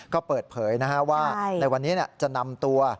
ก็เปิดเผยว่าในวันนี้จะนำตัว